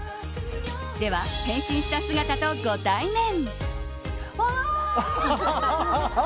では、変身した姿とご対面。